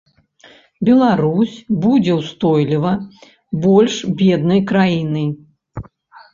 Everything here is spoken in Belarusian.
Беларусь будзе устойліва больш беднай краінай.